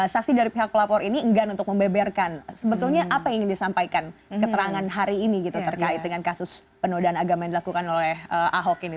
saksi dari pihak pelapor ini enggan untuk membeberkan sebetulnya apa yang ingin disampaikan keterangan hari ini gitu terkait dengan kasus penodaan agama yang dilakukan oleh ahok ini